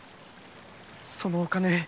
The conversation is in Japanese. そのお金。